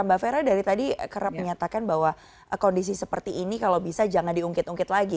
mbak fera dari tadi kerap menyatakan bahwa kondisi seperti ini kalau bisa jangan diungkit ungkit lagi